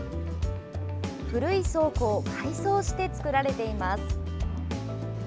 古い倉庫を改装して作られています。